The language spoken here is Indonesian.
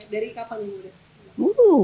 dari kapan ini udah